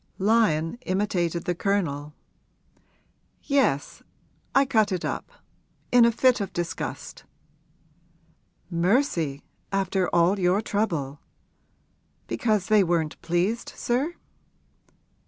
Lyon imitated the Colonel. 'Yes, I cut it up in a fit of disgust.' 'Mercy, after all your trouble! Because they weren't pleased, sir?'